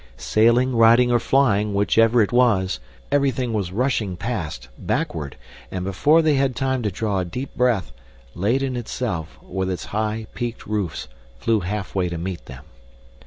Sailing, riding, or flying, whichever it was, everything was rushing past, backward, and before they had time to draw a deep breath, Leyden itself, with its high, peaked roofs, flew halfway to meet them.